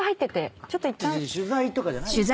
取材とかじゃないでしょ。